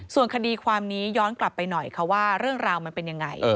ส่วนคดีความนี้ย้อนกลับไปหน่อยค่ะว่าเรื่องราวมันเป็นยังไง